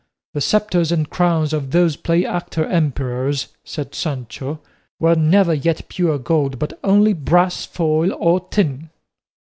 "The sceptres and crowns of those play actor emperors," said Sancho, "were never yet pure gold, but only brass foil or tin."